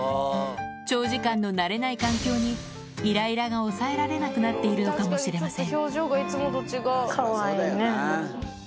長時間の慣れない環境に、いらいらが抑えられなくなっているのかもしれません。